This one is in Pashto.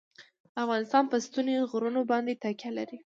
افغانستان په ستوني غرونه باندې تکیه لري.